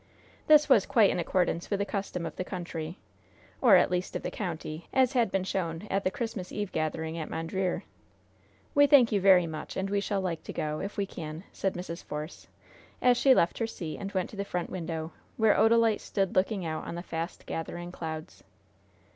This was quite in accordance with "the custom of the country," or, at least, of the county, as had been shown at the Christmas Eve gathering at Mondreer. "We thank you very much, and we shall like to go, if we can," said Mrs. Force, as she left her seat and went to the front window, where Odalite stood looking out on the fast gathering clouds.